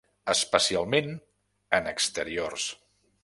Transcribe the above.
Especialment en exteriors.